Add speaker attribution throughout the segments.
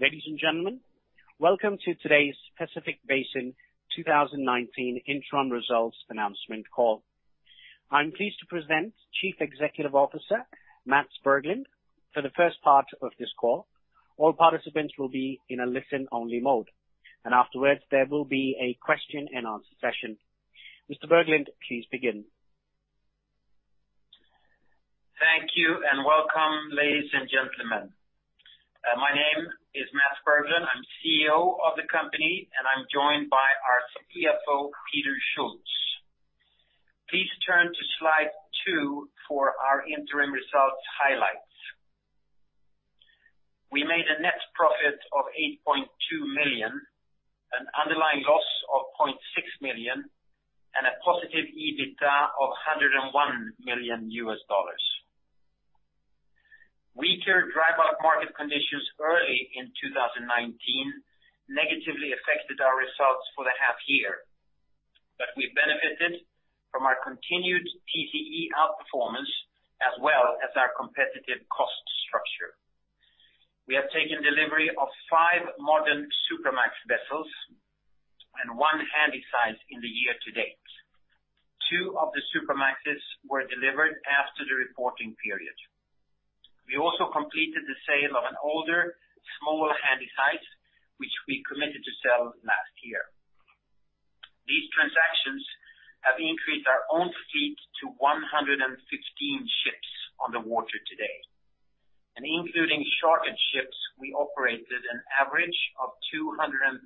Speaker 1: Ladies and gentlemen, welcome to today's Pacific Basin 2019 interim results announcement call. I'm pleased to present Chief Executive Officer, Mats Berglund, for the first part of this call. All participants will be in a listen-only mode. Afterwards, there will be a question and answer session. Mr. Berglund, please begin.
Speaker 2: Thank you, welcome, ladies and gentlemen. My name is Mats Berglund, I'm CEO of the company, and I'm joined by our CFO, Peter Schulz. Please turn to slide two for our interim results highlights. We made a net profit of $8.2 million, an underlying loss of $0.6 million, and a positive EBITDA of $101 million. Weaker dry bulk market conditions early in 2019 negatively affected our results for the half-year. We benefited from our continued TCE outperformance, as well as our competitive cost structure. We have taken delivery of five modern Supramax vessels and one Handysize in the year-to-date. Two of the Supramaxes were delivered after the reporting period. We also completed the sale of an older, smaller Handysize which we committed to sell last year. These transactions have increased our own fleet to 116 ships on the water today, and including chartered ships, we operated an average of 230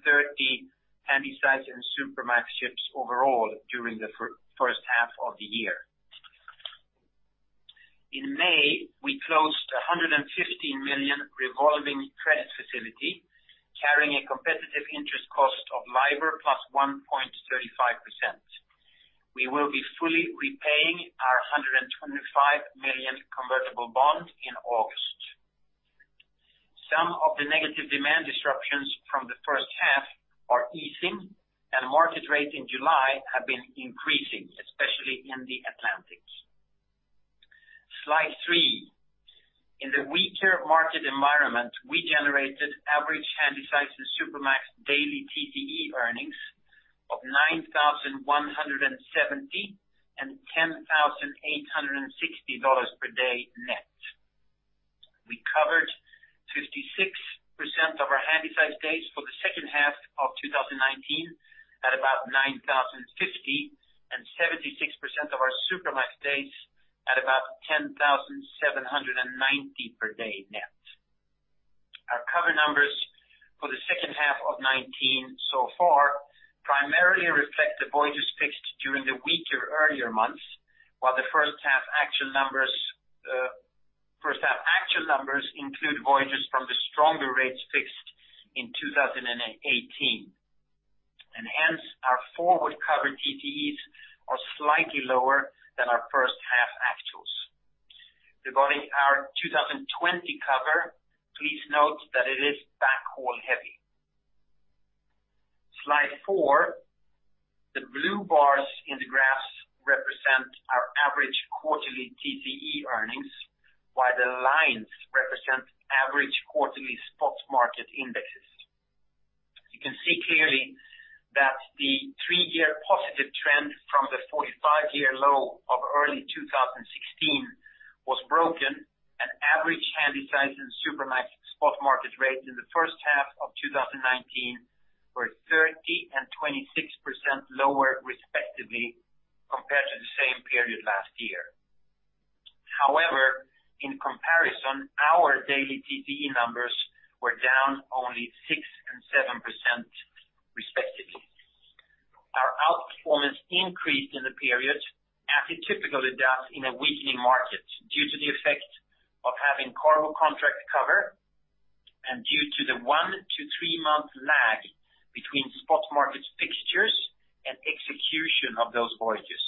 Speaker 2: Handysize and Supramax ships overall during the first half of the year. In May, we closed a $115 million revolving credit facility, carrying a competitive interest cost of LIBOR plus 1.35%. We will be fully repaying our $125 million convertible bond in August. Some of the negative demand disruptions from the first half are easing, and market rates in July have been increasing, especially in the Atlantics. Slide three. In the weaker market environment, we generated average Handysize and Supramax daily TCE earnings of $9,170 and $10,860 per day net. We covered 56% of our Handysize days for the second half of 2019 at about $9,050 and 76% of our Supramax days at about $10,790 per day net. Our cover numbers for the second half of 2019 so far primarily reflect the voyages fixed during the weaker earlier months, while the first half actual numbers include voyages from the stronger rates fixed in 2018. Hence our forward cover TCEs are slightly lower than our first half actuals. Regarding our 2020 cover, please note that it is backhaul heavy. Slide four. The blue bars in the graphs represent our average quarterly TCE earnings, while the lines represent average quarterly spot market indexes. You can see clearly that the three-year positive trend from the 45-year low of early 2016 was broken. Average Handysize and Supramax spot market rates in the first half of 2019 were 30% and 26% lower, respectively, compared to the same period last year. However, in comparison, our daily TCE numbers were down only 6% and 7%, respectively. Our outperformance increased in the period as it typically does in a weakening market due to the effect of having cargo contract cover and due to the one to three-month lag between spot markets fixtures and execution of those voyages.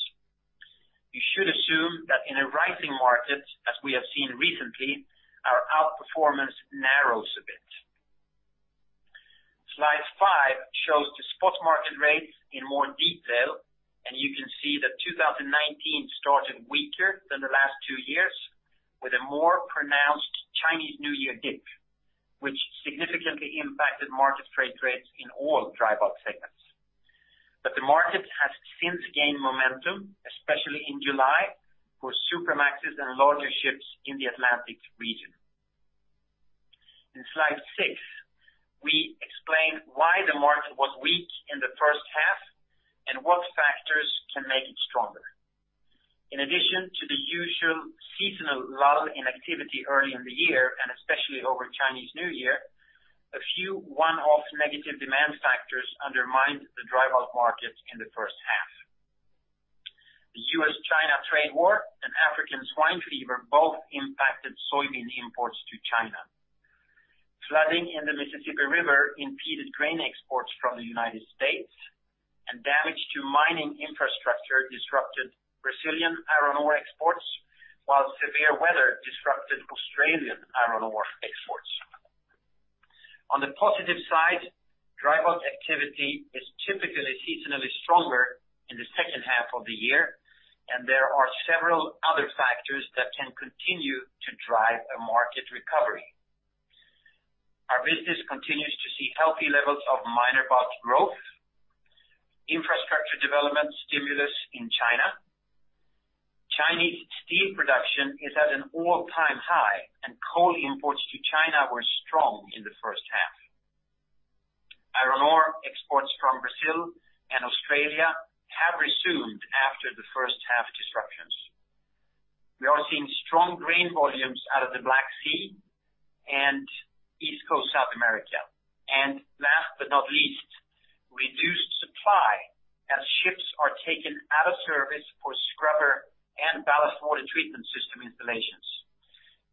Speaker 2: You should assume that in a rising market, as we have seen recently, our outperformance narrows a bit. Slide five shows the spot market rates in more detail. You can see that 2019 started weaker than the last two years with a more pronounced Chinese New Year dip, which significantly impacted market freight rates in all dry bulk segments. The market has since gained momentum, especially in July, for Supramaxes and larger ships in the Atlantic region. In slide six, we explain why the market was weak in the first half and what factors can make it stronger. In addition to the usual seasonal lull in activity early in the year, and especially over Chinese New Year, a few one-off negative demand factors undermined the dry bulk market in the first half. The U.S.-China trade war and African swine fever both impacted soybean imports to China. Flooding in the Mississippi River impeded grain exports from the United States, and damage to mining infrastructure disrupted Brazilian iron ore exports, while severe weather disrupted Australian iron ore exports. On the positive side, dry bulk activity is typically seasonally stronger in the second half of the year. There are several other factors that can continue to drive a market recovery. Our business continues to see healthy levels of minor bulk growth, infrastructure development stimulus in China. Chinese steel production is at an all-time high, and coal imports to China were strong in the first half. Iron ore exports from Brazil and Australia have resumed after the first half disruptions. We are seeing strong grain volumes out of the Black Sea and East Coast South America. Last but not least, reduced supply as ships are taken out of service for scrubber and ballast water treatment system installations,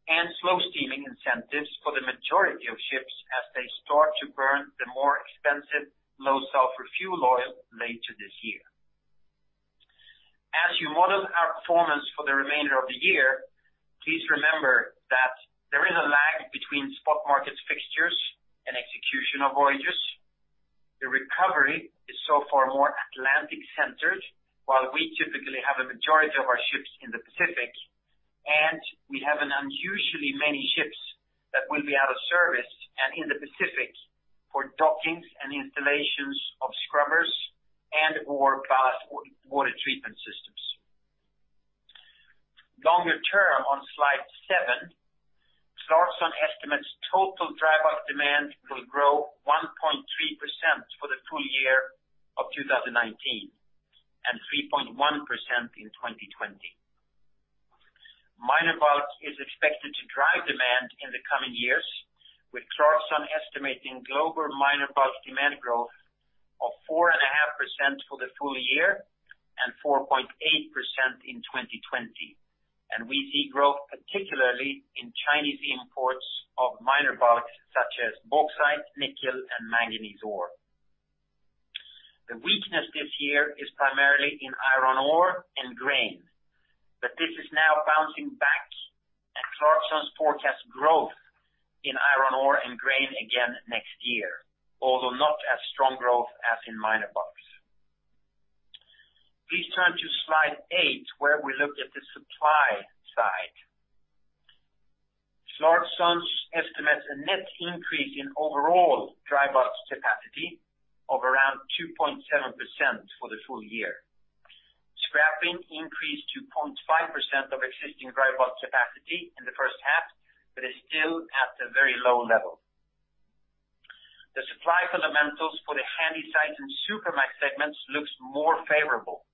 Speaker 2: and slow steaming incentives for the majority of ships as they start to burn the more expensive, low sulfur fuel oil later this year. As you model our performance for the remainder of the year, please remember that there is a lag between spot markets fixtures and execution of voyages. The recovery is so far more Atlantic-centered, while we typically have a majority of our ships in the Pacific, and we have an unusually many ships that will be out of service and in the Pacific for dockings and installations of scrubbers and/or ballast water treatment systems. Longer term, on slide seven, Clarksons estimates total dry bulk demand will grow 1.3% for the full-year of 2019, and 3.1% in 2020. Minor bulk is expected to drive demand in the coming years, with Clarksons estimating global minor bulk demand growth of 4.5% for the full-year and 4.8% in 2020. We see growth particularly in Chinese imports of minor bulks such as bauxite, nickel, and manganese ore. The weakness this year is primarily in iron ore and grain, but this is now bouncing back, Clarksons' forecast growth in iron ore and grain again next year, although not as strong growth as in minor bulks. Please turn to slide eight, where we look at the supply side. Clarksons' estimates a net increase in overall dry bulk capacity of around 2.7% for the full-year. Scrapping increased to 0.5% of existing dry bulk capacity in the first half, but is still at a very low level. The supply fundamentals for the Handysize and Supramax segments looks more favorable.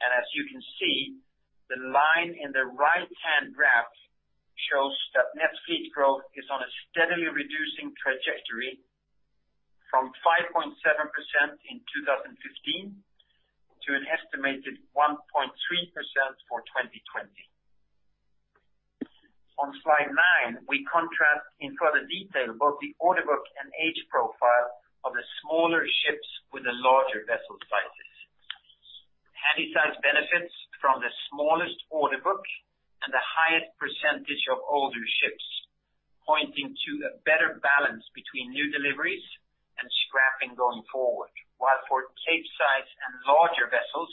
Speaker 2: As you can see, the line in the right-hand graph shows that net fleet growth is on a steadily reducing trajectory from 5.7% in 2015 to an estimated 1.3% for 2020. On slide nine, we contrast in further detail both the order book and age profile of the smaller ships with the larger vessel sizes. Handysize benefits from the smallest order book and the highest percentage of older ships, pointing to a better balance between new deliveries and scrapping going forward. While for Capesize and larger vessels,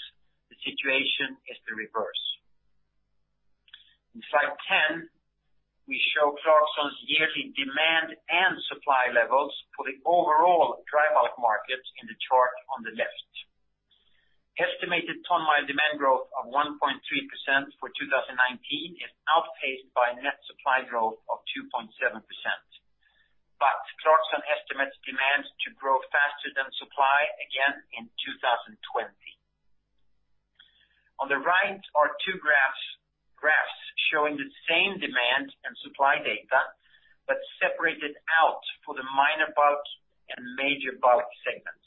Speaker 2: the situation is the reverse. In slide 10, we show Clarksons' yearly demand and supply levels for the overall dry bulk markets in the chart on the left. Estimated ton-mile demand growth of 1.3% for 2019 is outpaced by net supply growth of 2.7%. Clarksons estimates demands to grow faster than supply again in 2020. On the right are two graphs showing the same demand and supply data, but separated out for the minor bulk and major bulk segments.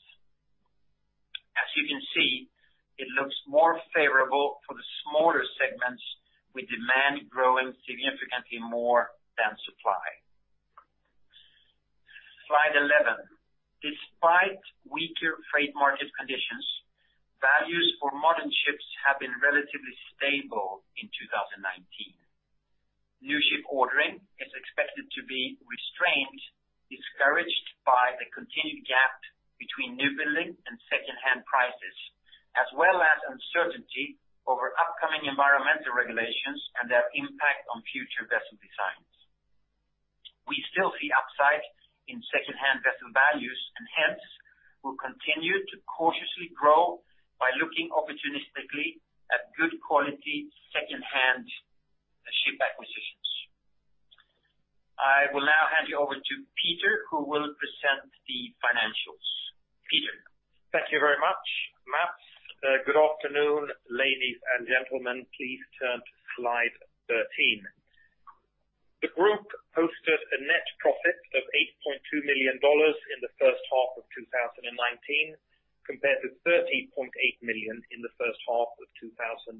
Speaker 2: As you can see, it looks more favorable for the smaller segments, with demand growing significantly more than supply. Slide 11. Despite weaker freight market conditions, values for modern ships have been relatively stable in 2019. New ship ordering is expected to be restrained, discouraged by the continued gap between newbuilding and secondhand prices, as well as uncertainty over upcoming environmental regulations and their impact on future vessel designs. We still see upside in secondhand vessel values and hence will continue to cautiously grow by looking opportunistically at good quality secondhand ship acquisitions. I will now hand you over to Peter, who will present the financials. Peter?
Speaker 3: Thank you very much, Mats. Good afternoon, ladies and gentlemen. Please turn to slide 13. The group posted a net profit of $8.2 million in the first half of 2019, compared to $13.8 million in the first half of 2018.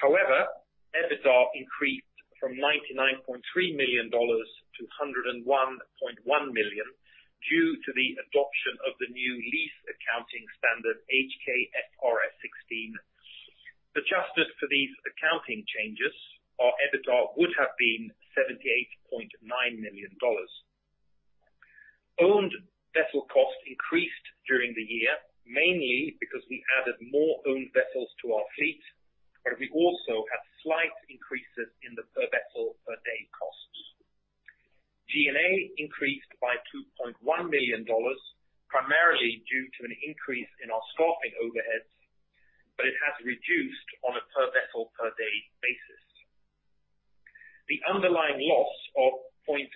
Speaker 3: However, EBITDA increased from $99.3 million to $101.1 million due to the adoption of the new lease accounting standard, HKFRS 16. Adjusted for these accounting changes, our EBITDA would have been $78.9 million. Owned vessel costs increased during the year, mainly because we added more owned vessels to our fleet, but we also had slight increases in the per vessel per day costs. G&A increased by $2.1 million, primarily due to an increase in our staffing overheads, but it has reduced on a per vessel per day basis. The underlying loss of $0.6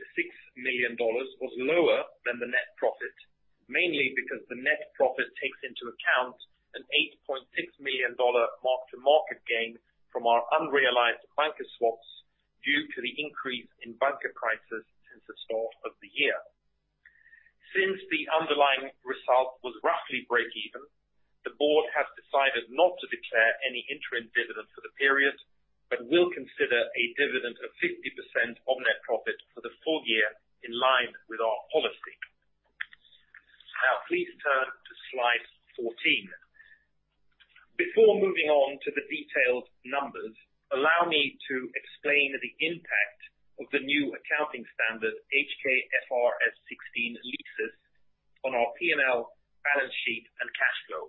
Speaker 3: million was lower than the net profit, mainly because the net profit takes into account an $8.6 million mark to market gain from our unrealized bunker swaps due to the increase in bunker prices since the start of the year. Since the underlying result was roughly breakeven, the board has decided not to declare any interim dividend for the period, but will consider a dividend of 60% on net profit for the full-year in line with our policy. Please turn to slide 14. Before moving on to the detailed numbers, allow me to explain the impact of the new accounting standard, HKFRS 16 leases on our P&L balance sheet and cash flow,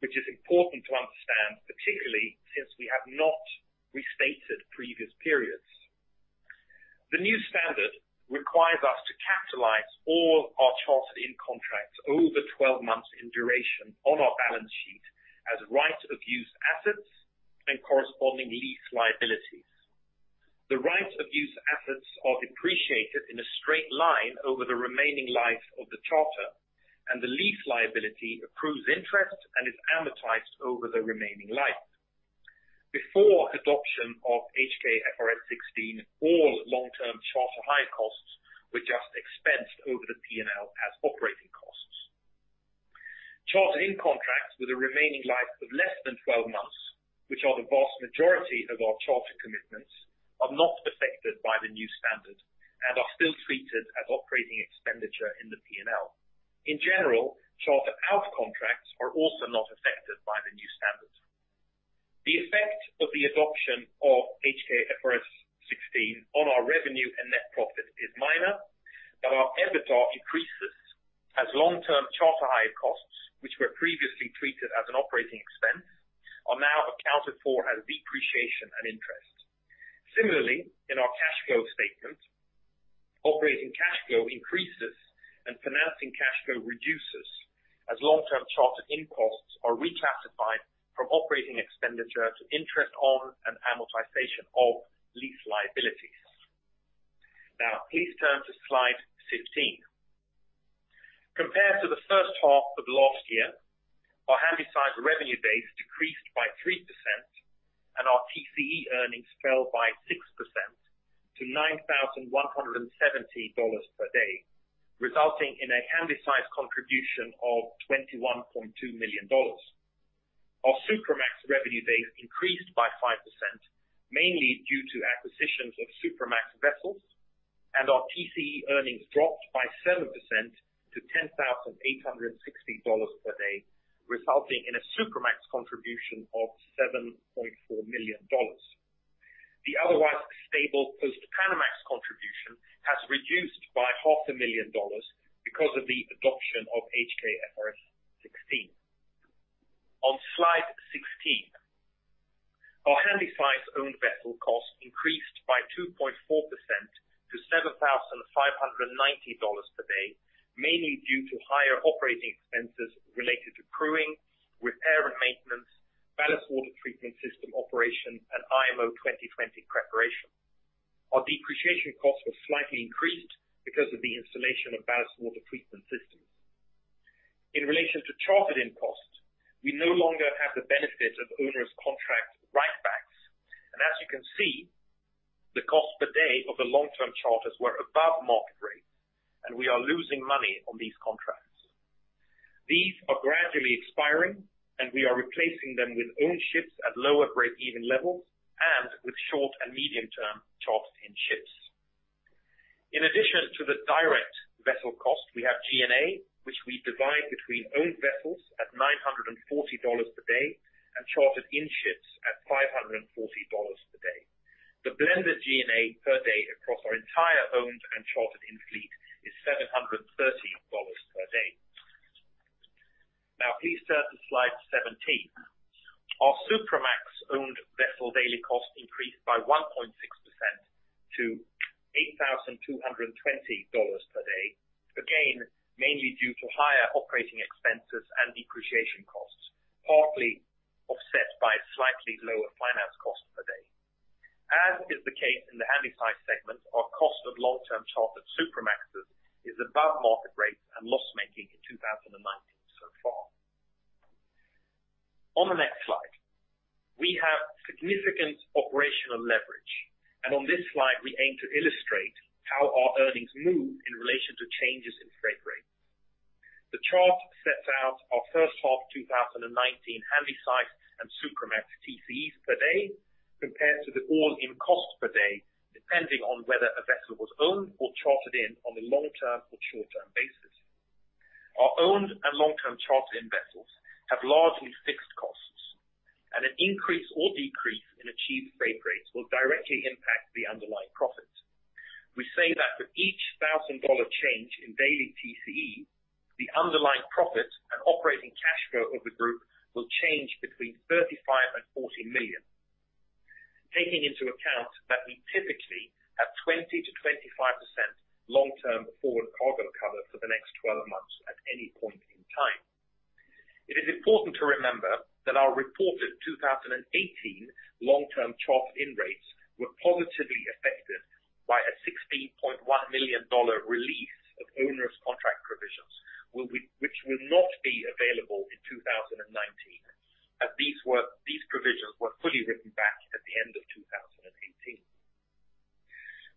Speaker 3: which is important to understand, particularly since we have not restated previous periods. The new standard requires us to capitalize all our chartered in contracts over 12 months in duration on our balance sheet as right-of-use assets and corresponding lease liabilities. The right-of-use assets are depreciated in a straight line over the remaining life of the charter, and the lease liability accrues interest and is amortized over the remaining life. Before adoption of HKFRS 16, all long-term charter hire costs were just expensed over the P&L as operating costs. Chartered in contracts with a remaining life of less than 12 months, which are the vast majority of our charter commitments, are not affected by the new standard and are still treated as operating expenditure in the P&L. In general, charter out contracts are also not affected by the new standard. The effect of the adoption of HKFRS 16 on our revenue and net profit is minor, but our EBITDA increases as long-term charter hire costs, which were previously treated as an operating expense, are now accounted for as depreciation and interest. Similarly, in our cash flow statement, operating cash flow increases and financing cash flow reduces as long-term charter in costs are reclassified from operating expenditure to interest on and amortization of lease liabilities. Please turn to slide 15. Compared to the first half of last year, our Handysize revenue base decreased by 3%, and our TCE earnings fell by 6% to $9,170 per day, resulting in a Handysize contribution of $21.2 million. Our Supramax revenue base increased by 5%, mainly due to acquisitions of Supramax vessels, and our TCE earnings dropped by 7% to $10,860 per day, resulting in a Supramax contribution of $7.4 million. The otherwise stable post-Panamax contribution has reduced by $500,000 because of the adoption of HKFRS 16. On slide 16, our Handysize owned vessel cost increased by 2.4% to $7,590 per day, mainly due to higher operating expenses related to crewing, repair and maintenance, ballast water treatment system operation, and IMO 2020 preparation. Our depreciation costs have slightly increased because of the installation of ballast water treatment systems. In relation to chartered in costs, we no longer have the benefit of onerous contract write backs, and as you can see, the cost per day of the long-term charters were above market rate, and we are losing money on these contracts. These are gradually expiring, and we are replacing them with owned ships at lower breakeven levels and with short and medium-term chartered in ships. In addition to the direct vessel cost, we have G&A, which we divide between owned vessels at $940 per day and chartered in ships at $540 per day. The blended G&A per day across our entire owned and chartered in fleet is $730 per day. Please turn to slide 17. Our Supramax owned vessel daily cost increased by 1.6% to $8,220 per day. Mainly due to higher operating expenses and depreciation costs, partly offset by slightly lower finance cost per day. As is the case in the Handysize segment, our cost of long-term charter Supramaxes is above market rate and loss-making in 2019 so far. On the next slide, we have significant operational leverage. On this slide, we aim to illustrate how our earnings move in relation to changes in freight rates. The chart sets out our first half 2019 Handysize and Supramax TCEs per day compared to the all-in cost per day, depending on whether a vessel was owned or chartered in on a long-term or short-term basis. Our owned and long-term chartered-in vessels have largely fixed costs, and an increase or decrease in achieved freight rates will directly impact the underlying profit. We say that for each $1,000 change in daily TCE, the underlying profit and operating cash flow of the group will change between $35 million and $40 million. Taking into account that we typically have 20%-25% long-term forward cargo cover for the next 12 months at any point in time. It is important to remember that our reported 2018 long-term chartered-in rates were positively affected by a $60.1 million relief of onerous contract provisions, which will not be available in 2019, as these provisions were fully written back at the end of 2018.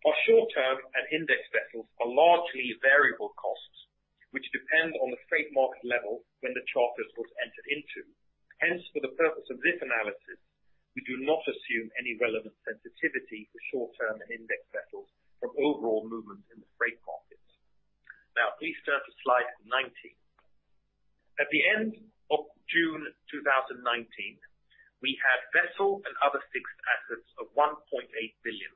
Speaker 3: Our short-term and index vessels are largely variable costs, which depend on the freight market level when the charter was entered into. Hence, for the purpose of this analysis, we do not assume any relevant sensitivity for short-term and index vessels from overall movement in the freight markets. Now please turn to slide 19. At the end of June 2019, we had vessel and other fixed assets of $1.8 billion.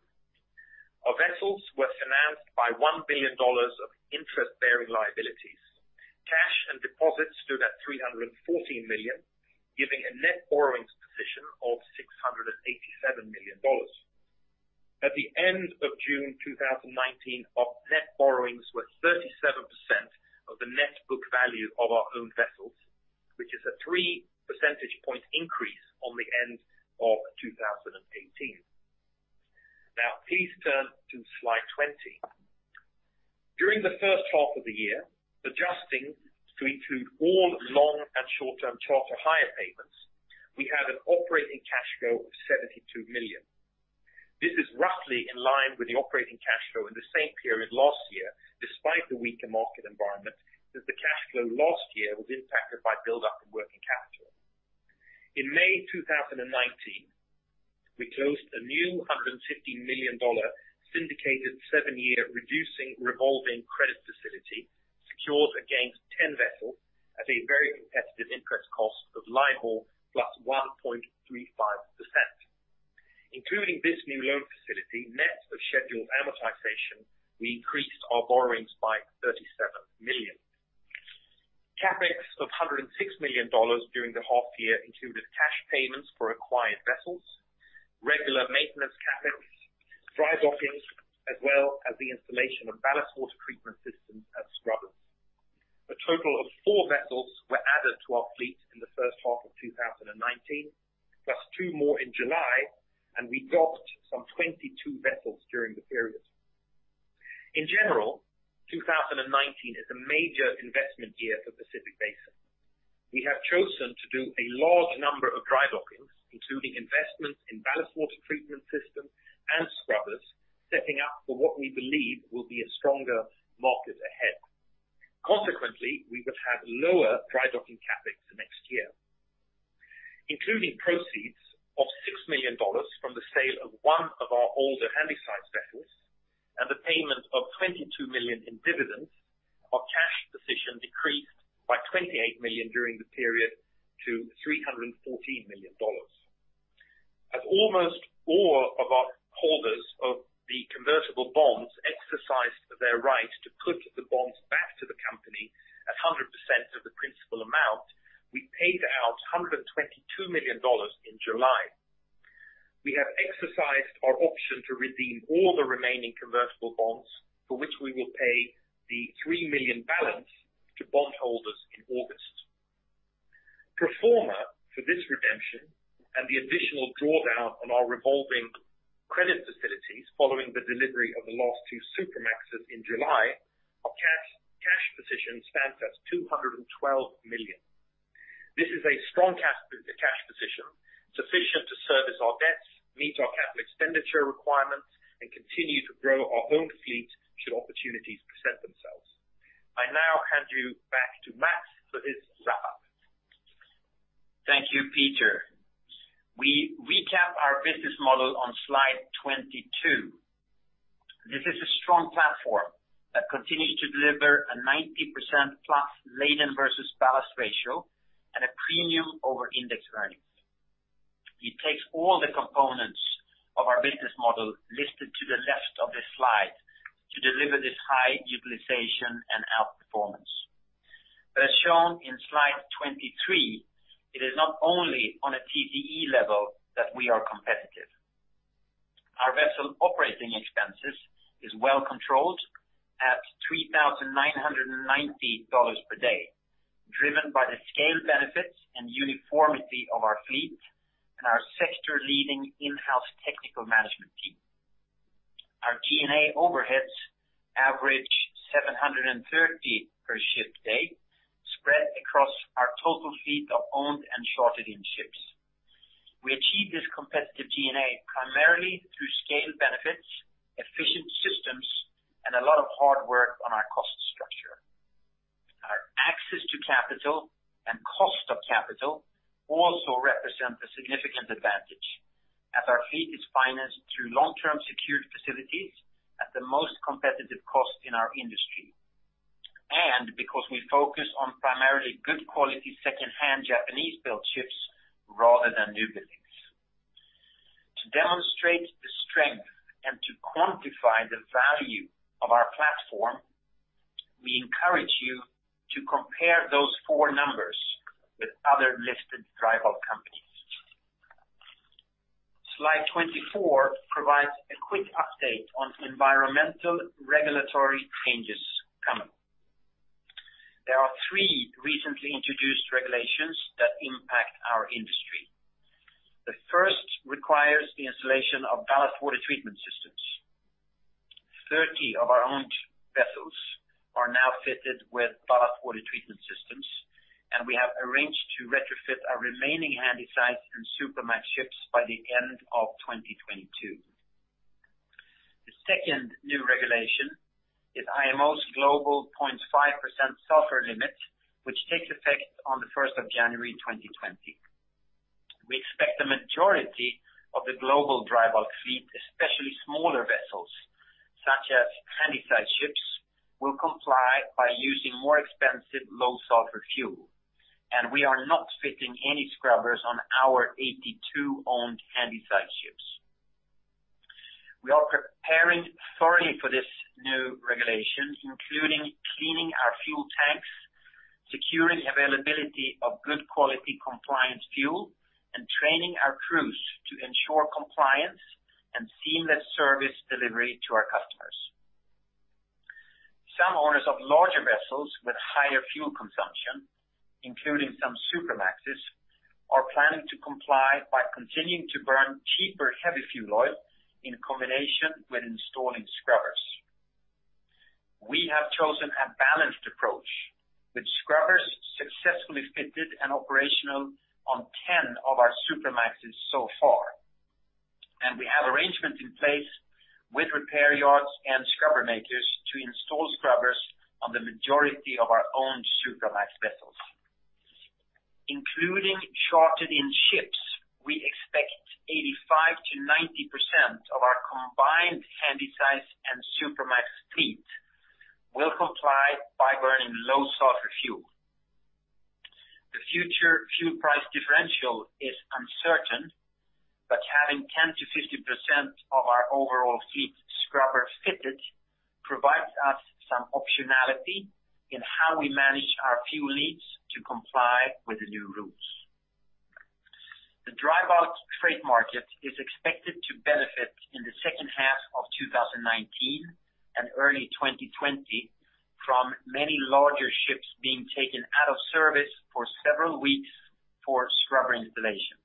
Speaker 3: Our vessels were financed by $1 billion of interest-bearing liabilities. Cash and deposits stood at $314 million, giving a net borrowings position of $687 million. At the end of June 2019, our net borrowings were 37% of the net book value of our owned vessels, which is a three percentage point increase on the end of 2018. Please turn to slide 20. During the first half of the year, adjusting to include all long and short-term charter hire payments, we had an operating cash flow of $72 million. This is roughly in line with the operating cash flow in the same period last year, despite the weaker market environment, as the cash flow last year was impacted by build-up in working capital. In May 2019, we closed a new $150 million syndicated seven-year reducing revolving credit facility secured against 10 vessels at a very competitive interest cost of LIBOR plus 1.35%. Including this new loan facility, net of scheduled amortization, we increased our borrowings by $37 million. CapEx of $106 million during the half-year included cash payments for acquired vessels, regular maintenance CapEx, dry dockings, as well as the installation of ballast water treatment systems and scrubbers. A total of four vessels were added to our fleet in the first half of 2019, plus two more in July, and we docked some 22 vessels during the period. In general, 2019 is a major investment year for Pacific Basin. We have chosen to do a large number of dry dockings, including investments in ballast water treatment systems and scrubbers, setting up for what we believe will be a stronger market ahead. Consequently, we would have lower dry docking CapEx next year. Including proceeds of $6 million from the sale of one of our older Handysize vessels and the payment of $22 million in dividends, our cash position decreased by $28 million during the period to $314 million. As almost all of our holders of the convertible bonds exercised their right to put the bonds back to the company at 100% of the principal amount, we paid out $122 million in July. We have exercised our option to redeem all the remaining convertible bonds, for which we will pay the $3 million balance to bondholders in August. Pro forma for this redemption and the additional drawdown on our revolving credit facilities following the delivery of the last two Supramaxes in July, our cash position stands at $212 million. This is a strong cash position, sufficient to service our debts, meet our capital expenditure requirements, and continue to grow our owned fleet should opportunities present themselves. I now hand you back to Mats for his wrap-up.
Speaker 2: Thank you, Peter. We recap our business model on slide 22. This is a strong platform that continues to deliver a 90%+ laden versus ballast ratio at a premium over index earnings. It takes all the components of our business model listed to the left of this slide to deliver this high utilization and outperformance. As shown in slide 23, it is not only on a TCE level that we are competitive. Our vessel operating expenses is well controlled at $3,990 per day, driven by the scale benefits and uniformity of our fleet and our sector-leading in-house technical management team. Our G&A overheads average $730 per ship date, spread across our total fleet of owned and chartered-in ships. We achieve this competitive G&A primarily through scale benefits, efficient systems, and a lot of hard work on our cost structure. Our access to capital and cost of capital also represent a significant advantage. Our fleet is financed through long-term secured facilities at the most competitive cost in our industry, and because we focus on primarily good quality secondhand Japanese-built ships rather than newbuildings. To demonstrate the strength and to quantify the value of our platform, we encourage you to compare those four numbers with other listed dry bulk companies. Slide 24 provides a quick update on environmental regulatory changes coming. There are three recently introduced regulations that impact our industry. The first requires the installation of ballast water treatment systems. 30 of our owned vessels are now fitted with ballast water treatment systems, and we have arranged to retrofit our remaining Handysize and Supramax ships by the end of 2022. The second new regulation is IMO's global 0.5% sulfur limit, which takes effect on the 1st of January 2020. We expect the majority of the global dry bulk fleet, especially smaller vessels such as Handysize ships, will comply by using more expensive, low sulfur fuel. We are not fitting any scrubbers on our 82 owned Handysize ships. We are preparing thoroughly for this new regulation, including cleaning our fuel tanks, securing availability of good quality compliance fuel, and training our crews to ensure compliance and seamless service delivery to our customers. Some owners of larger vessels with higher fuel consumption, including some Supramaxes, are planning to comply by continuing to burn cheaper heavy fuel oil in combination with installing scrubbers. We have chosen a balanced approach with scrubbers successfully fitted and operational on 10 of our Supramaxes so far. We have arrangements in place with repair yards and scrubber makers to install scrubbers on the majority of our owned Supramax vessels. Including chartered-in ships, we expect 85%-90% of our combined Handysize and Supramax fleet will comply by burning low sulfur fuel. The future fuel price differential is uncertain, having 10%-15% of our overall fleet scrubber fitted provides us some optionality in how we manage our fuel needs to comply with the new rules. The dry bulk trade market is expected to benefit in the second half of 2019 and early 2020 from many larger ships being taken out of service for several weeks for scrubber installation.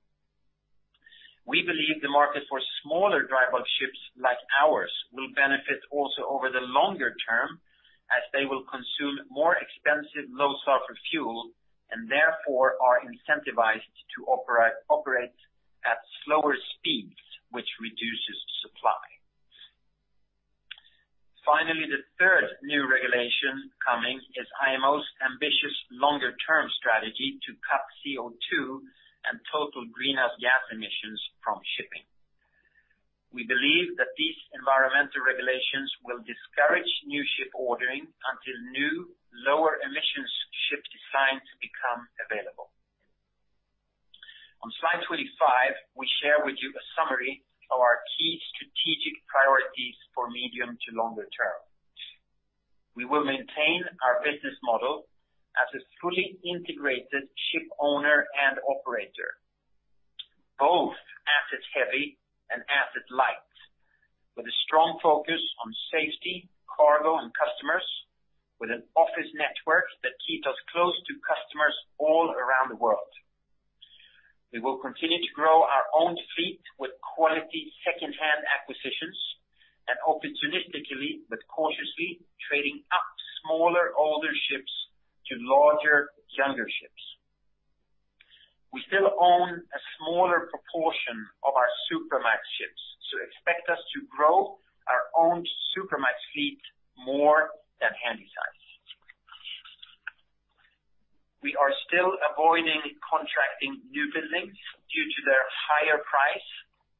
Speaker 2: We believe the market for smaller dry bulk ships like ours will benefit also over the longer term as they will consume more expensive, low sulfur fuel, and therefore are incentivized to operate at slower speeds, which reduces supply. The third new regulation coming is IMO's ambitious longer term strategy to cut CO2 and total greenhouse gas emissions from shipping. We believe that these environmental regulations will discourage new ship ordering until new, lower emissions ship designs become available. On slide 25, we share with you a summary of our key strategic priorities for medium to longer term. We will maintain our business model as a fully integrated ship owner and operator, both asset heavy and asset light, with a strong focus on safety, cargo, and customers, with an office network that keeps us close to customers all around the world. We will continue to grow our owned fleet with quality secondhand acquisitions and opportunistically, but cautiously, trading up smaller, older ships to larger, younger ships. We still own a smaller proportion of our Supramax ships, expect us to grow our owned Supramax fleet more than Handysize. We are still avoiding contracting newbuildings due to their higher price,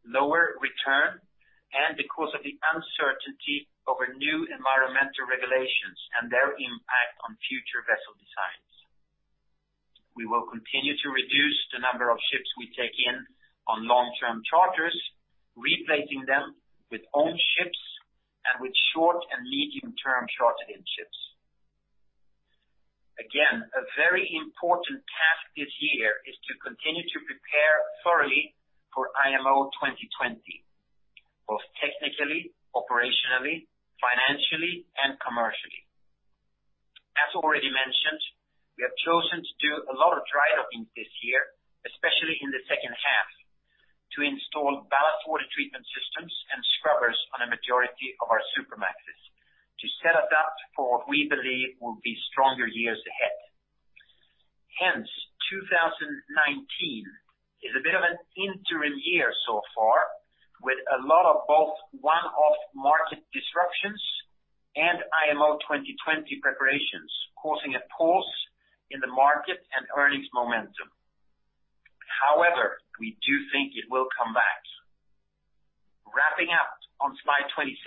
Speaker 2: lower return, and because of the uncertainty over new environmental regulations and their impact on future vessel designs. We will continue to reduce the number of ships we take in on long-term charters, replacing them with owned ships and with short and medium term chartered-in ships. Again, a very important task this year is to continue to prepare thoroughly for IMO 2020, both technically, operationally, financially, and commercially. As already mentioned, we have chosen to do a lot of drydocking this year, especially in the second half, to install ballast water treatment systems and scrubbers on a majority of our Supramaxes to set us up for what we believe will be stronger years ahead. 2019 is a bit of an interim year so far, with a lot of both one-off market disruptions. IMO 2020 preparations causing a pause in the market and earnings momentum. We do think it will come back. Wrapping up on slide 26.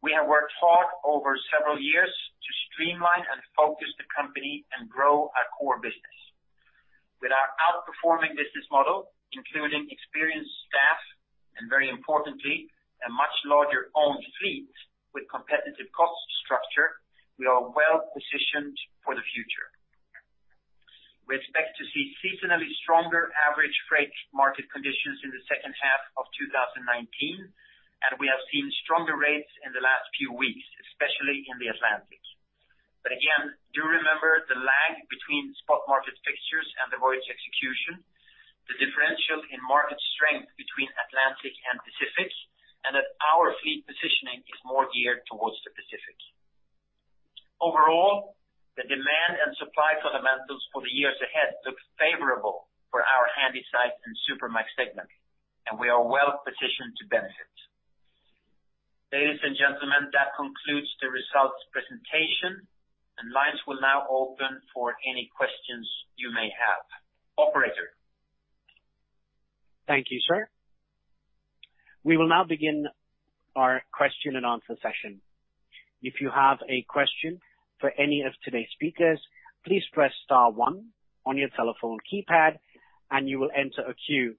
Speaker 2: We have worked hard over several years to streamline and focus the company and grow our core business. With our outperforming business model, including experienced staff and very importantly, a much larger owned fleet with competitive cost structure, we are well-positioned for the future. We expect to see seasonally stronger average freight market conditions in the second half of 2019, and we have seen stronger rates in the last few weeks, especially in the Atlantic. Again, do remember the lag between spot market fixtures and the voyage execution, the differential in market strength between Atlantic and Pacific, and that our fleet positioning is more geared towards the Pacific. Overall, the demand and supply fundamentals for the years ahead look favorable for our Handysize and Supramax segment, and we are well-positioned to benefit. Ladies and gentlemen, that concludes the results presentation, and lines will now open for any questions you may have. Operator.
Speaker 1: Thank you, sir. We will now begin our question and answer session. If you have a question for any of today's speakers, please press star one on your telephone keypad and you will enter a queue.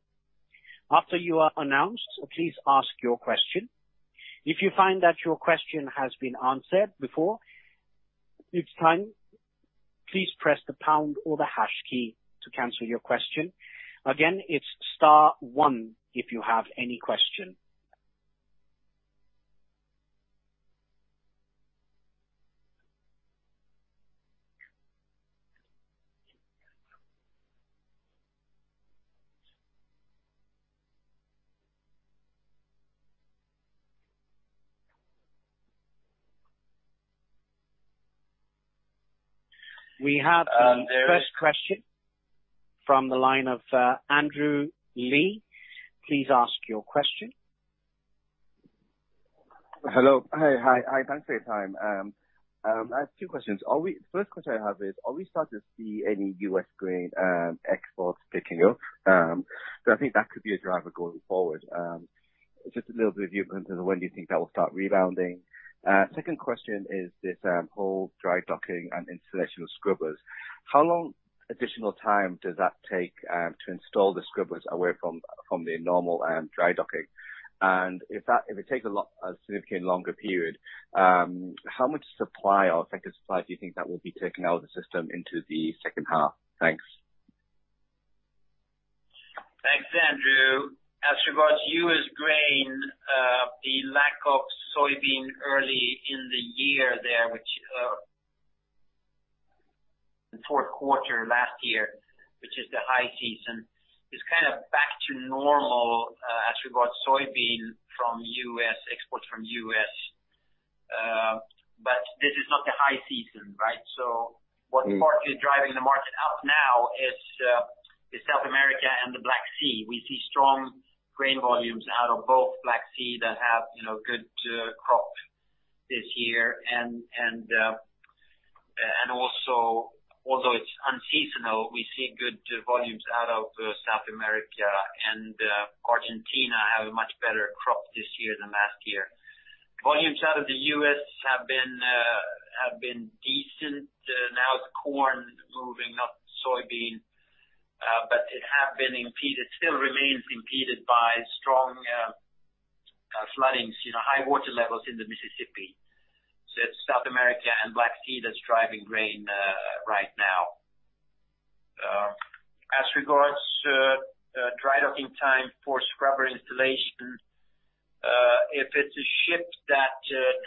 Speaker 1: After you are announced, please ask your question. If you find that your question has been answered before, it's time, please press the pound or the hash key to cancel your question. Again, it's star one if you have any question. We have the first question from the line of Andrew Lee. Please ask your question.
Speaker 4: Hello. Hi. Thanks for your time. I have two questions. First question I have is, are we starting to see any U.S. grain exports picking up? I think that could be a driver going forward. Just a little bit of view into when do you think that will start rebounding. Second question is this whole dry docking and installation of scrubbers. How long additional time does that take to install the scrubbers away from the normal dry docking? If it takes a significantly longer period, how much supply or effective supply do you think that will be taken out of the system into the second half? Thanks.
Speaker 2: Thanks, Andrew. As regards to U.S. grain, the lack of soybean early in the year there, which, fourth quarter last year, which is the high season, is kind of back to normal, as regards soybean from U.S., exports from U.S. This is not the high season, right? What's partly driving the market up now is South America and the Black Sea. We see strong grain volumes out of both Black Sea that have good crop this year, and also although it's unseasonal, we see good volumes out of South America, and Argentina have a much better crop this year than last year. Volumes out of the U.S. have been decent. Now it's corn moving, not soybean, but it still remains impeded by strong floodings, high water levels in the Mississippi. It's South America and Black Sea that's driving grain right now. As regards to dry docking time for scrubber installation, if it's a ship that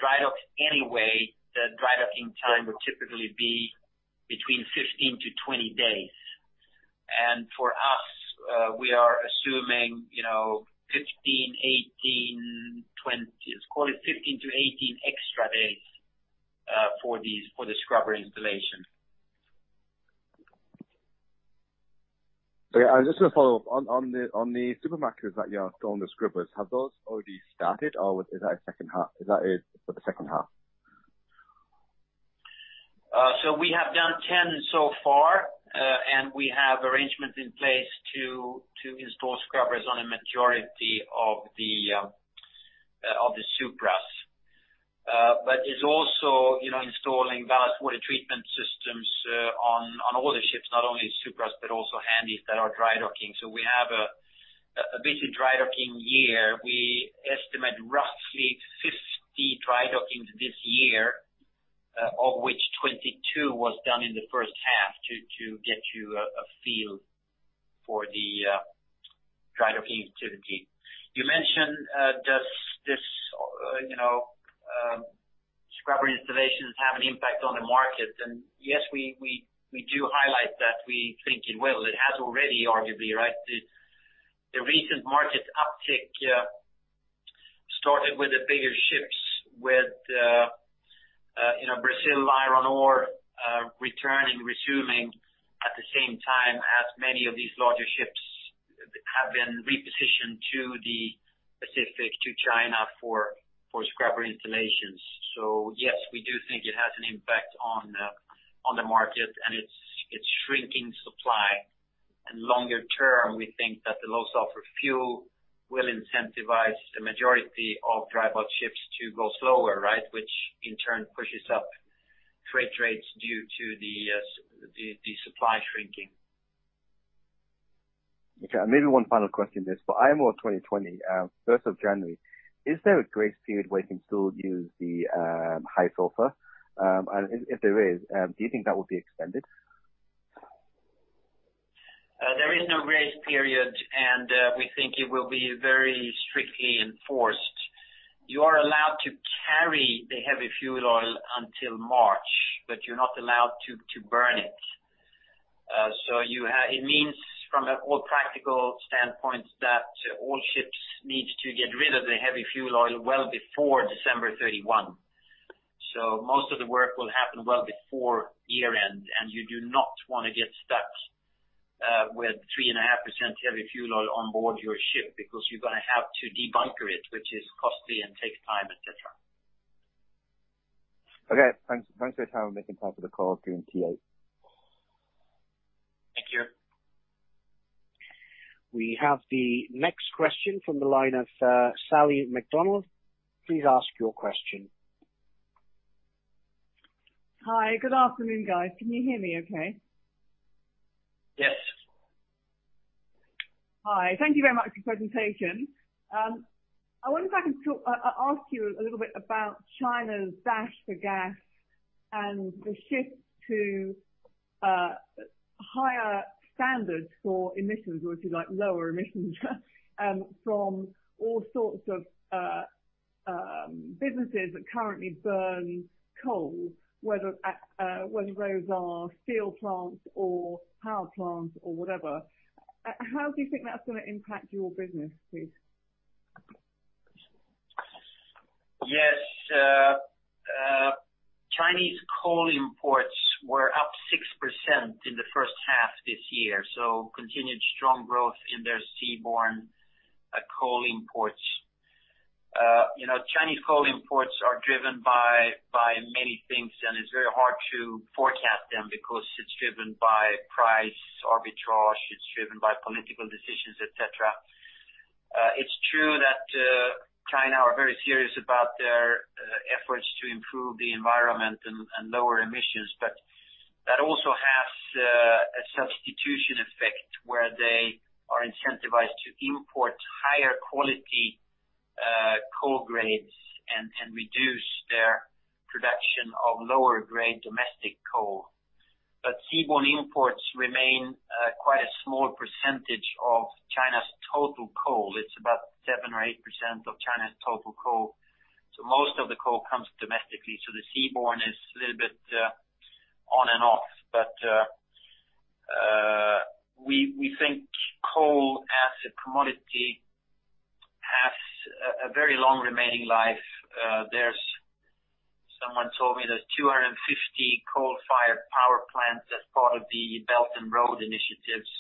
Speaker 2: dry docks anyway, the dry docking time would typically be between 15-20 days. For us, we are assuming 15, 18, 20, let's call it 15-18 extra days, for the scrubber installation.
Speaker 4: Just to follow up, on the Supramaxes that you have on the scrubbers, have those already started or is that for the second half?
Speaker 2: We have done 10 so far. We have arrangements in place to install scrubbers on a majority of the Supras. It's also installing ballast water treatment systems on all the ships, not only Supras, but also Handys that are dry docking. We have a busy dry docking year. We estimate roughly 50 dry dockings this year, of which 22 was done in the first half to get you a feel for the dry docking activity. You mentioned, does this scrubber installations have an impact on the market? Yes, we do highlight that we think it will. It has already arguably, right? The recent market uptick started with the bigger ships with Brazil iron ore returning, resuming at the same time as many of these larger ships have been repositioned to the Pacific, to China for scrubber installations. Yes, we do think it has an impact on the market and it's shrinking supply. Longer term, we think that the low sulfur fuel will incentivize the majority of dry bulk ships to go slower, right, which in turn pushes up freight rates due to the supply shrinking.
Speaker 4: Okay. Maybe one final question this. For IMO 2020, 1st of January, is there a grace period where you can still use the high sulfur? If there is, do you think that will be extended?
Speaker 2: There is no grace period, and we think it will be very strictly enforced. You are allowed to carry the heavy fuel oil until March, but you're not allowed to burn it. It means, from all practical standpoints, that all ships need to get rid of the heavy fuel oil well before December 31. Most of the work will happen well before year-end, and you do not want to get stuck with 3.5% heavy fuel oil on board your ship because you're going to have to debunker it, which is costly and takes time, et cetera.
Speaker 4: Okay. Thanks for your time and making time for the call, doing Q&A.
Speaker 2: Thank you.
Speaker 1: We have the next question from the line of Sally MacDonald. Please ask your question.
Speaker 5: Hi. Good afternoon, guys. Can you hear me okay?
Speaker 2: Yes.
Speaker 5: Hi. Thank you very much for your presentation. I wonder if I can ask you a little bit about China's dash for gas and the shift to higher standards for emissions, or if you like, lower emissions from all sorts of businesses that currently burn coal, whether those are steel plants or power plants or whatever. How do you think that's going to impact your business, please?
Speaker 2: Chinese coal imports were up 6% in the first half this year, continued strong growth in their seaborne coal imports. Chinese coal imports are driven by many things, and it's very hard to forecast them because it's driven by price arbitrage, it's driven by political decisions, et cetera. It's true that China are very serious about their efforts to improve the environment and lower emissions. That also has a substitution effect, where they are incentivized to import higher quality coal grades and reduce their production of lower grade domestic coal. Seaborne imports remain quite a small percentage of China's total coal. It's about 7% or 8% of China's total coal. Most of the coal comes domestically. The seaborne is a little bit on and off. We think coal as a commodity has a very long remaining life. Someone told me there's 250 coal-fired power plants as part of the Belt and Road initiatives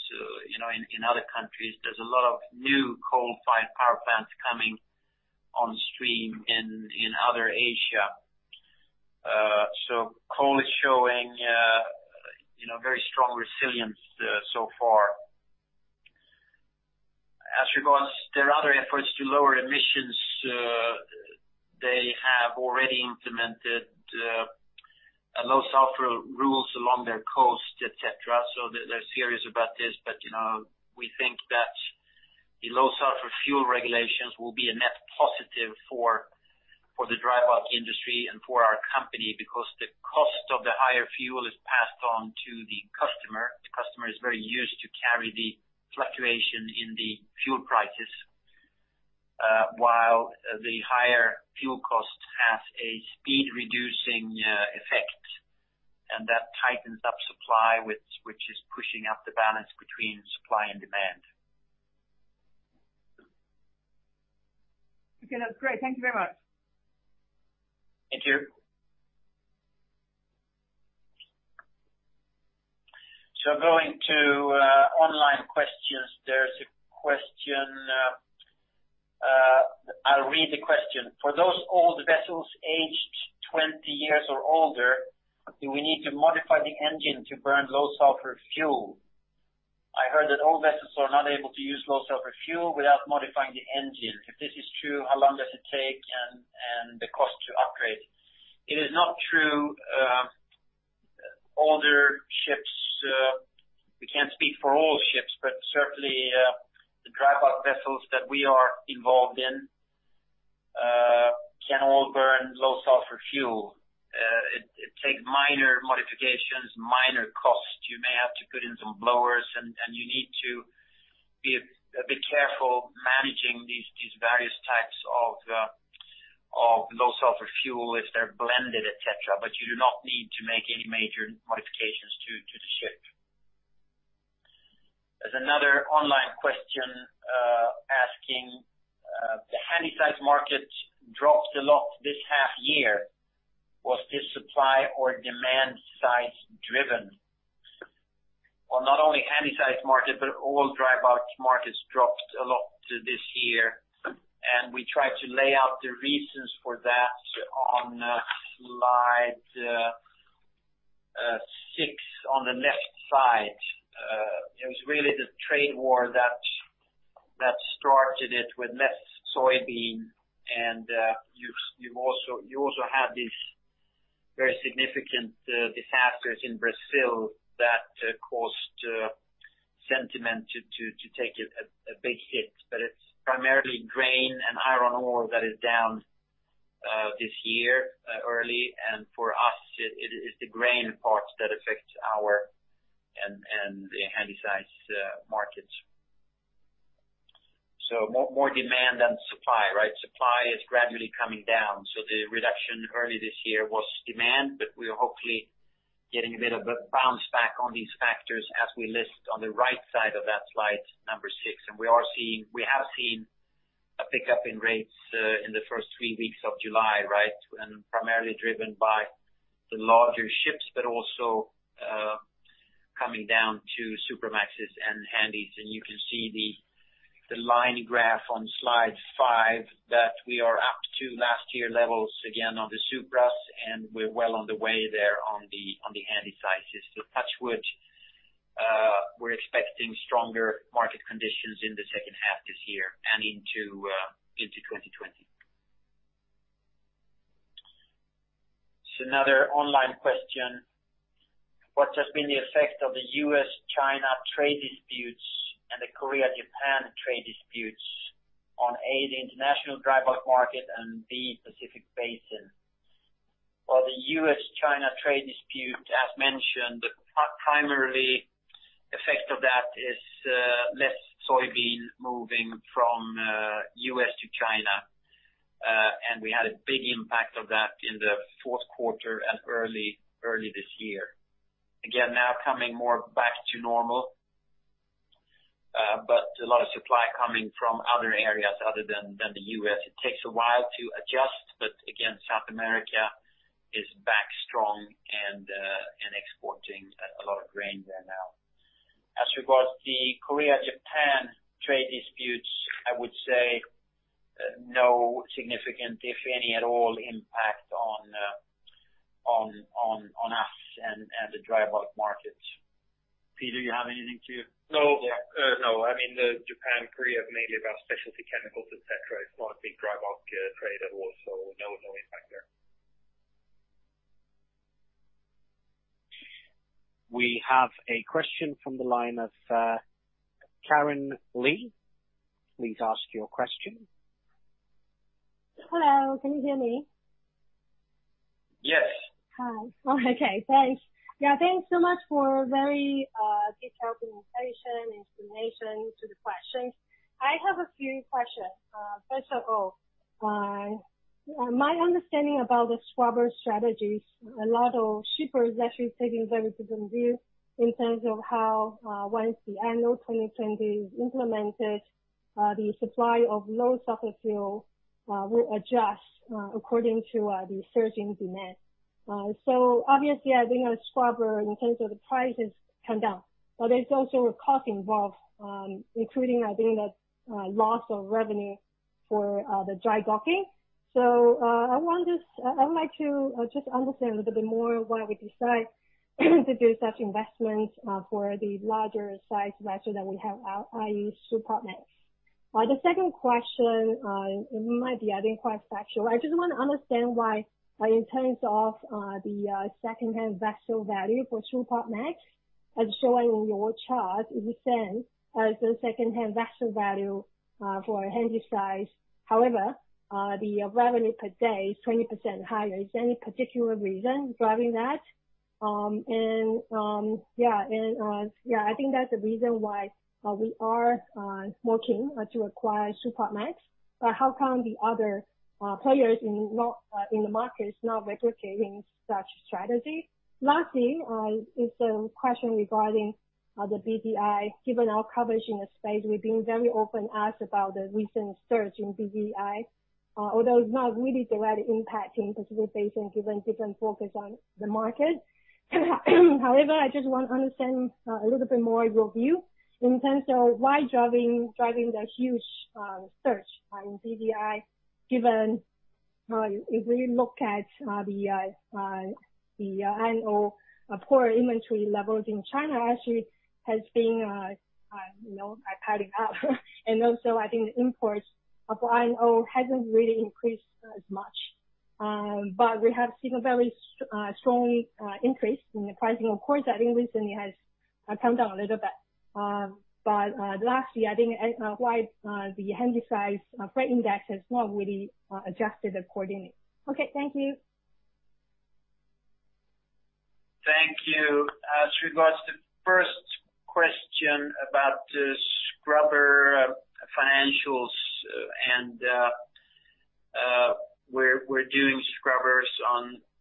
Speaker 2: in other countries. There's a lot of new coal-fired power plants coming on stream in other Asia. Coal is showing very strong resilience so far. As regards their other efforts to lower emissions, they have already implemented low sulfur rules along their coast, et cetera. They're serious about this, but we think that the low sulfur fuel regulations will be a net positive for the dry bulk industry and for our company because the cost of the higher fuel is passed on to the customer. The customer is very used to carry the fluctuation in the fuel prices, while the higher fuel cost has a speed reducing effect. That tightens up supply, which is pushing up the balance between supply and demand.
Speaker 5: Okay. That's great. Thank you very much.
Speaker 2: Thank you. Going to online questions. There's a question, I'll read the question. "For those old vessels aged 20 years or older, do we need to modify the engine to burn low sulfur fuel? I heard that old vessels are not able to use low sulfur fuel without modifying the engine. If this is true, how long does it take and the cost to upgrade?" It is not true. Older ships, we can't speak for all ships, but certainly the dry bulk vessels that we are involved in can all burn low sulfur fuel. It takes minor modifications, minor cost. You may have to put in some blowers, and you need to be a bit careful managing these various types of low sulfur fuel if they're blended, et cetera. You do not need to make any major modifications to the ship. There's another online question asking. The Handysize market dropped a lot this half-year. Was this supply or demand size driven? Well, not only Handysize market, but all dry bulk markets dropped a lot this year, and we tried to lay out the reasons for that on slide six on the left side. It's primarily grain and iron ore that is down this year early, and for us, it is the grain part that affects our and the Handysize markets. More demand than supply, right? Supply is gradually coming down. The reduction early this year was demand, but we are hopefully getting a bit of a bounce back on these factors as we list on the right side of that slide six. We have seen a pickup in rates, in the first three weeks of July, right? Primarily driven by the larger ships, but also, coming down to Supramax and Handys. You can see the line graph on slide five that we are up to last year levels again on the Supras and we're well on the way there on the Handysizes. Touch wood, we're expecting stronger market conditions in the second half this year and into 2020. Another online question. What has been the effect of the U.S.-China trade disputes and the Korea-Japan trade disputes on, A, the international dry bulk market and, B, Pacific Basin? The U.S.-China trade dispute, as mentioned, the primary effect of that is less soybeans moving from U.S. to China. We had a big impact of that in the fourth quarter and early this year. Now coming more back to normal, a lot of supply coming from other areas other than the U.S. It takes a while to adjust, South America is back strong and exporting a lot of grain there now. As regards the Korea-Japan trade disputes, I would say, no significant, if any at all, impact on us and the dry bulk markets. Peter, you have anything to-
Speaker 3: No.
Speaker 2: Yeah.
Speaker 3: No. I mean, the Japan-Korea is mainly about specialty chemicals, et cetera. It's not a big dry bulk trade at all, so no impact there.
Speaker 1: We have a question from the line of Karen Lee. Please ask your question.
Speaker 6: Hello, can you hear me?
Speaker 3: Yes.
Speaker 6: Hi. Okay, thanks. Thanks so much for very detailed presentation explanation to the questions. I have a few questions. First of all, my understanding about the scrubber strategies, a lot of shippers actually taking very different view in terms of how, once the IMO 2020 is implemented, the supply of low-sulfur fuel will adjust according to the surging demand. Obviously, I think a scrubber in terms of the prices come down. There's also a cost involved, including, I think, the loss of revenue for the dry docking. I would like to just understand a little bit more why we decide to do such investments for the larger-size vessel that we have out, i.e., Supramax. The second question, it might be, I think, quite factual. I just want to understand why in terms of the secondhand vessel value for Supramax, as shown in your chart, is the same as the secondhand vessel value for Handysize. The revenue per day is 20% higher. Is there any particular reason driving that? Yeah, I think that's the reason why we are working to acquire Supramax. How come the other players in the market is not replicating such strategy? Lastly, is a question regarding the BDI. Given our coverage in the space, we've been very often asked about the recent surge in BDI, although it's not really directly impacting Pacific Basin given different focus on the market. I just want to understand a little bit more your view in terms of why driving the huge surge in BDI, given if we look at the iron ore inventory levels in China actually has been padding up. Also, I think the imports of iron ore hasn't really increased as much. We have seen a very strong increase in the pricing. Of course, I think recently it has come down a little bit. Last year, I think, why the Handysize freight index has not really adjusted accordingly? Okay, thank you.
Speaker 2: Thank you. As regards to first question about the scrubber financials. We're doing scrubbers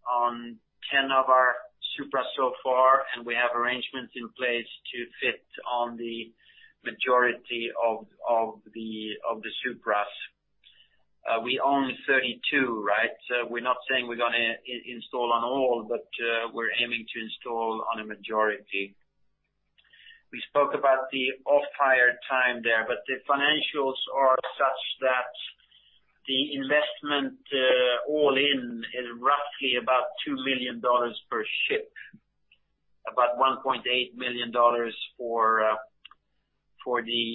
Speaker 2: on 10 of our Supra so far, and we have arrangements in place to fit on the majority of the Supras. We own 32, right? We're not saying we're going to install on all, but we're aiming to install on a majority. We spoke about the off-hire time there, but the financials are such that the investment all-in is roughly about $2 million per ship, about $1.8 million for the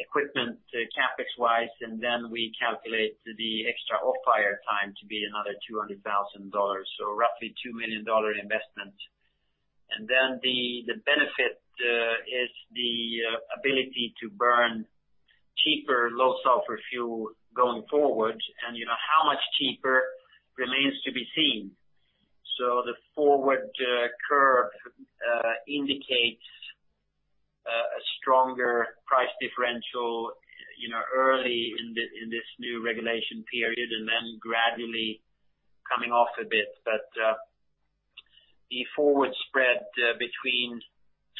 Speaker 2: equipment, CapEx wise, and then we calculate the extra off-hire time to be another $200,000. Roughly $2 million investment. The benefit is the ability to burn cheaper, low sulfur fuel going forward. How much cheaper remains to be seen. The forward curve indicates a stronger price differential early in this new regulation period, and then gradually coming off a bit. The forward spread between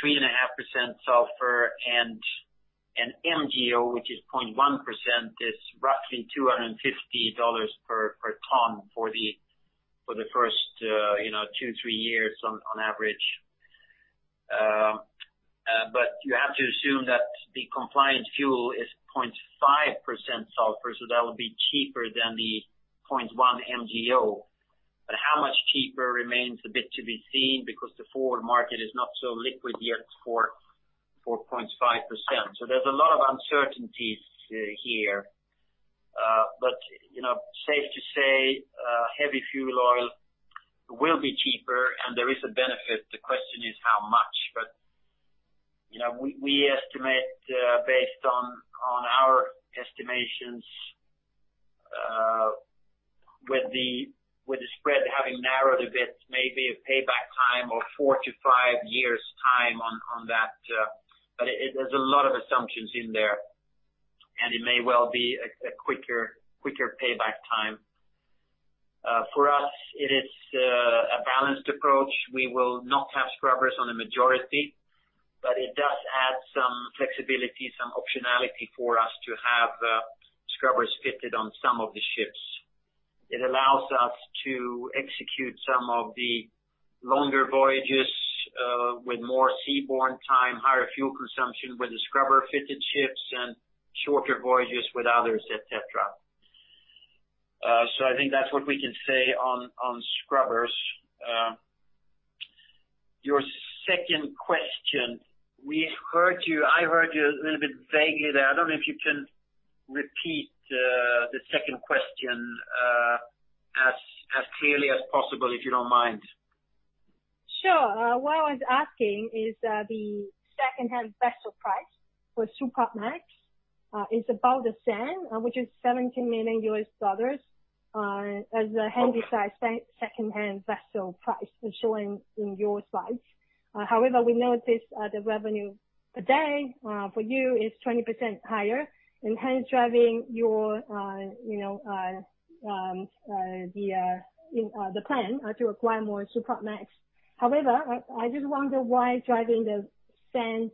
Speaker 2: 3.5% sulfur and an MGO, which is 0.1%, is roughly $250 per ton for the first two to three years on average. You have to assume that the compliant fuel is 0.5% sulfur, so that will be cheaper than the 0.1% MGO. How much cheaper remains a bit to be seen because the forward market is not so liquid yet for 0.5%. There's a lot of uncertainties here. Safe to say, heavy fuel oil will be cheaper and there is a benefit. The question is how much. We estimate, based on our estimations, with the spread having narrowed a bit, maybe a payback time of four to five years' time on that. There's a lot of assumptions in there, and it may well be a quicker payback time. For us, it is a balanced approach. We will not have scrubbers on the majority, it does add some flexibility, some optionality for us to have scrubbers fitted on some of the ships. It allows us to execute some of the longer voyages with more seaborne time, higher fuel consumption with the scrubber-fitted ships and shorter voyages with others, et cetera. I think that's what we can say on scrubbers. Your second question. I heard you a little bit vaguely there. I don't know if you can repeat the second question as clearly as possible, if you don't mind.
Speaker 6: Sure. What I was asking is the secondhand vessel price for Supramax is about the same, which is $17 million, as the Handysize secondhand vessel price is showing in your slides. However, we noticed the revenue today for you is 20% higher, hence driving the plan to acquire more Supramax. However, I just wonder why driving the same,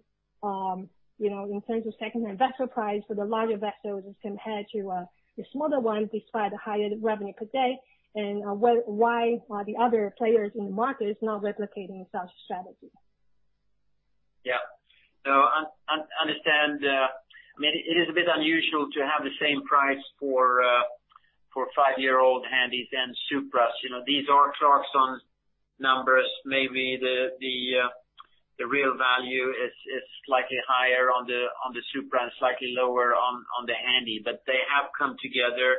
Speaker 6: in terms of secondhand vessel price for the larger vessels as compared to the smaller ones, despite the higher revenue per se, and why the other players in the market is not replicating such a strategy.
Speaker 2: Yeah. I understand. It is a bit unusual to have the same price for a five-year-old Handys and Supras. These are Clarksons numbers. Maybe the real value is slightly higher on the Supra and slightly lower on the Handy. They have come together.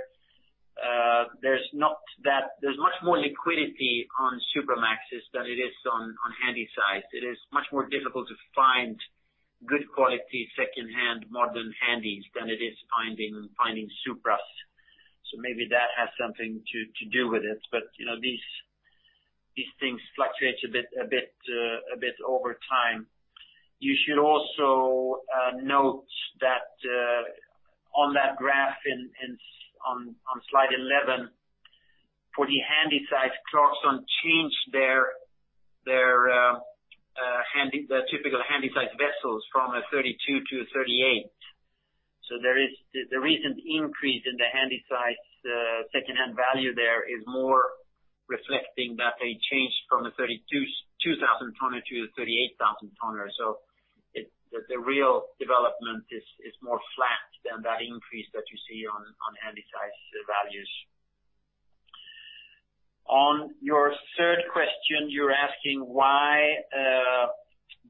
Speaker 2: There's much more liquidity on Supramaxes than it is on Handysize. It is much more difficult to find good quality secondhand modern Handys than it is finding Supras. Maybe that has something to do with it. These things fluctuate a bit over time. You should also note that on that graph and on slide 11, for the Handysize, Clarksons changed their typical Handysize vessels from a 32 to a 38. The recent increase in the Handysize secondhand value there is more reflecting that they changed from a 32,000 tonner to a 38,000 tonner. The real development is more flat than that increase that you see on Handysize values. On your third question, you're asking why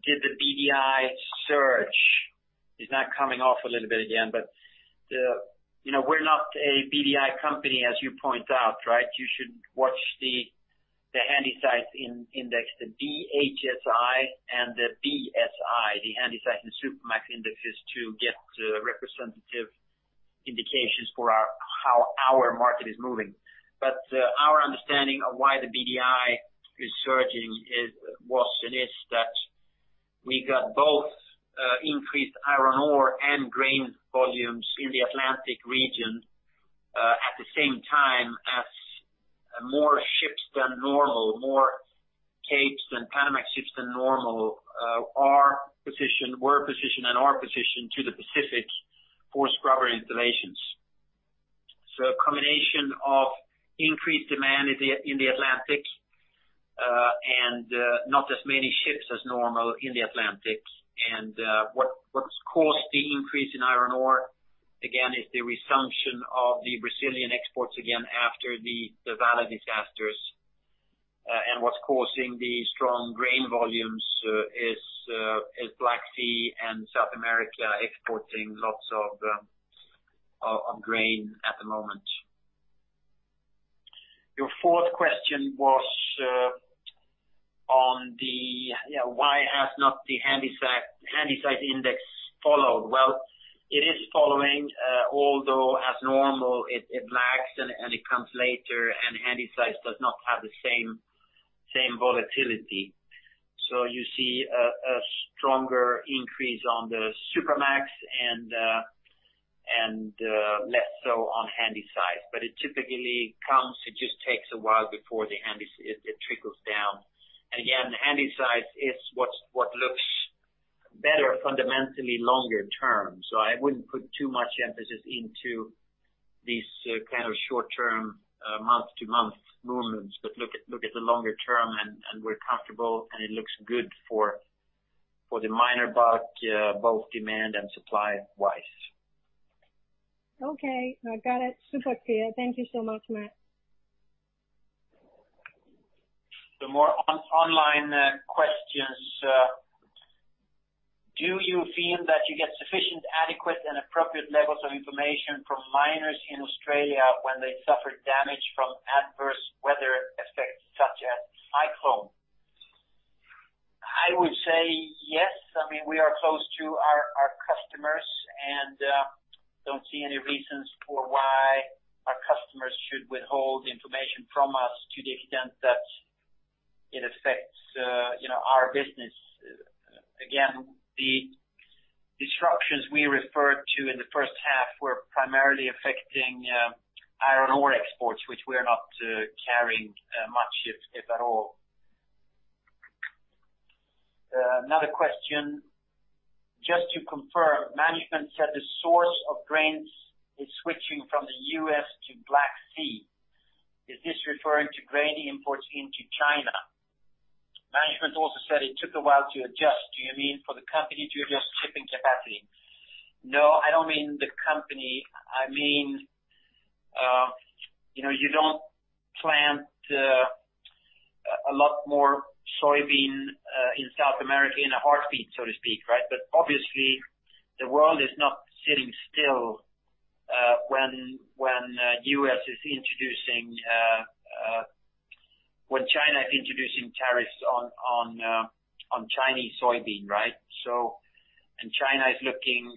Speaker 2: did the BDI surge? It's now coming off a little bit again, but we're not a BDI company, as you point out, right? You should watch the Handysize index, the BHSI and the BSI, the Handysize and Supramax indexes to get representative indications for how our market is moving. Our understanding of why the BDI is surging was and is that we got both increased iron ore and grain volumes in the Atlantic region, at the same time as more ships than normal, more Capes and Panamax ships than normal, were positioned and are positioned to the Pacific for scrubber installations. A combination of increased demand in the Atlantic, and not as many ships as normal in the Atlantic. What's caused the increase in iron ore, again, is the resumption of the Brazilian exports again after the Vale disasters. What's causing the strong grain volumes is Black Sea and South America exporting lots of grain at the moment. Your fourth question was on why has not the Handysize Index followed? It is following, although as normal, it lags and it comes later, and Handysize does not have the same volatility. You see a stronger increase on the Supramax and less so on Handysize. It typically comes, it just takes a while before it trickles down. Again, the Handysize is what looks better fundamentally longer term. I wouldn't put too much emphasis into these kind of short-term, month-to-month movements, but look at the longer term and we're comfortable, and it looks good for the minor bulk, both demand and supply-wise.
Speaker 6: Okay, I got it. Super clear. Thank you so much, Mats.
Speaker 2: More online questions. Do you feel that you get sufficient, adequate, and appropriate levels of information from miners in Australia when they suffer damage from adverse weather effects such as cyclone? I would say yes. We are close to our customers and don't see any reasons for why our customers should withhold information from us to the extent that it affects our business. The disruptions we referred to in the first half were primarily affecting iron ore exports, which we are not carrying much, if at all. Another question. Just to confirm, management said the source of grains is switching from the U.S. to Black Sea. Is this referring to grain imports into China? Management also said it took a while to adjust. Do you mean for the company to adjust shipping capacity? No, I don't mean the company. I mean, you don't plant a lot more soybean in South America in a heartbeat, so to speak, right? Obviously, the world is not sitting still when China is introducing tariffs on Chinese soybean, right? China is looking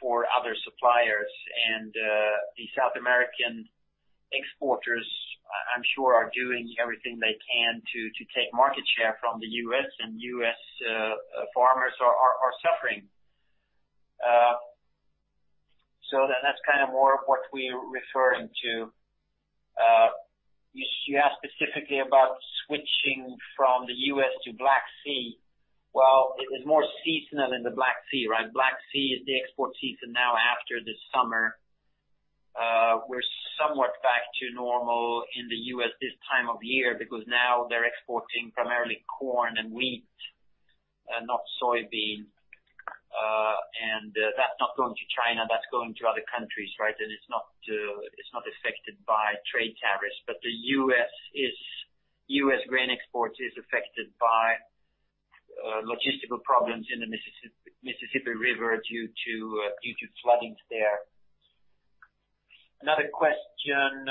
Speaker 2: for other suppliers, and the South American exporters, I'm sure, are doing everything they can to take market share from the U.S., and U.S. farmers are suffering. That's kind of more what we're referring to. You asked specifically about switching from the U.S. to Black Sea. Well, it is more seasonal in the Black Sea, right? Black Sea is the export season now after this summer. We're somewhat back to normal in the U.S. this time of year because now they're exporting primarily corn and wheat and not soybeans. That's not going to China, that's going to other countries, right? It's not affected by trade tariffs, but the U.S. grain export is affected by logistical problems in the Mississippi River due to floodings there. Another question.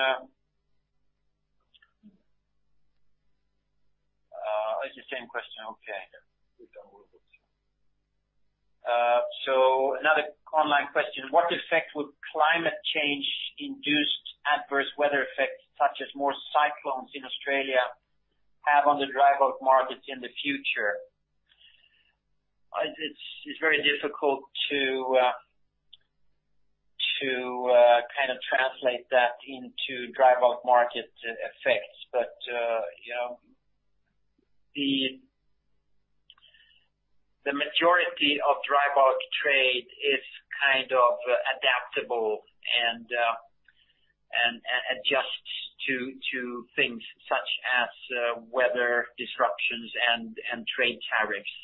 Speaker 2: It's the same question. Okay. We've done really good. Another online question: What effect would climate change-induced adverse weather effects, such as more cyclones in Australia, have on the dry bulk markets in the future? It's very difficult to kind of translate that into dry bulk market effects. The majority of dry bulk trade is kind of adaptable and adjusts to things such as weather disruptions and trade tariffs.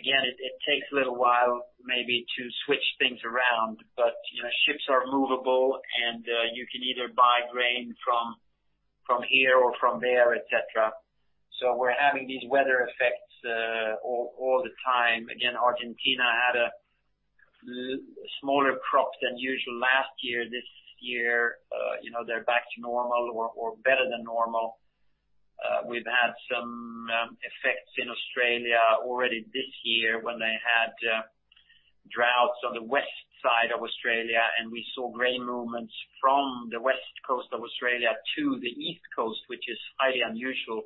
Speaker 2: Again, it takes a little while maybe to switch things around, but ships are movable and you can either buy grain from here or from there, et cetera. We're having these weather effects all the time. Again, Argentina had a smaller crop than usual last year. This year, they're back to normal or better than normal. We've had some effects in Australia already this year when they had droughts on the west side of Australia, and we saw grain movements from the west coast of Australia to the east coast, which is highly unusual,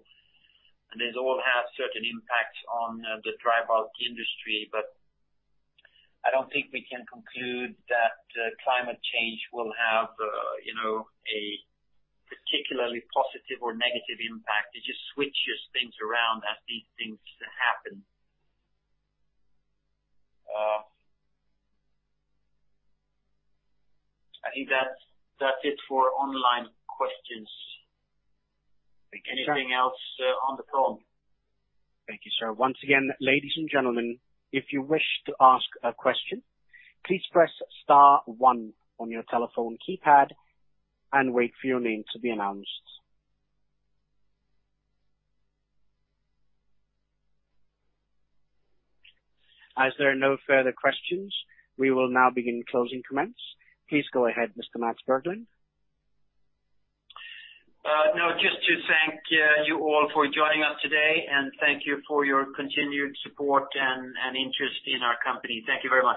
Speaker 2: and these all have certain impacts on the dry bulk industry. I don't think we can conclude that climate change will have a particularly positive or negative impact. It just switches things around as these things happen. I think that's it for online questions.
Speaker 1: Thank you, sir.
Speaker 2: Anything else on the phone?
Speaker 1: Thank you, sir. Once again, ladies and gentlemen, if you wish to ask a question, please press star one on your telephone keypad and wait for your name to be announced. There are no further questions, we will now begin closing comments. Please go ahead, Mr. Mats Berglund.
Speaker 2: Just to thank you all for joining us today, and thank you for your continued support and interest in our company. Thank you very much.